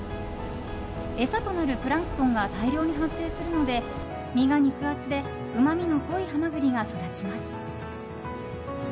餌となるプランクトンが大量に発生するので身が肉厚でうまみの濃いハマグリが育ちます。